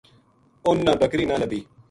اُنھ نا بکری نہ لبھی